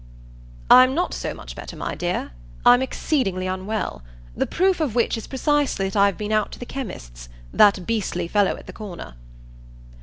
"I'm not so much better, my dear I'm exceedingly unwell; the proof of which is precisely that I've been out to the chemist's that beastly fellow at the corner."